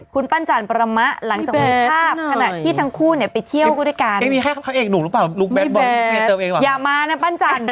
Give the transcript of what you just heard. คุณปั้นจันประมาหลังจากแบบครบ